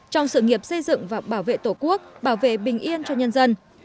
trong sự nghiệp xây dựng và bảo vệ tổ quốc bảo vệ bình yên cho nhân dân